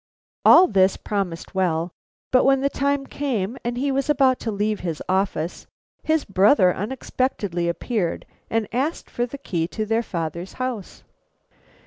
All this promised well, but when the time came and he was about to leave his office, his brother unexpectedly appeared and asked for the key to their father's house.